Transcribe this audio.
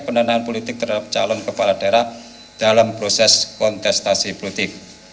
pendanaan politik terhadap calon kepala daerah dalam proses kontestasi politik